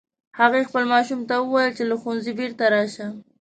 هغې خپل ماشوم ته وویل چې له ښوونځي بیرته راشه